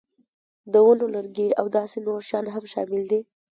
د ونو لرګي او داسې نور شیان هم شامل دي.